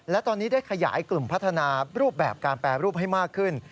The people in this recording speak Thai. และตอนนี้ได้ขยายกลุ่มพัฒนารูปแบบการแปรรูปให้มากขึ้น